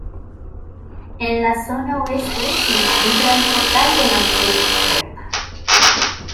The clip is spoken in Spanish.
En la zona oeste se encuentra el cordal de La Mujer Muerta.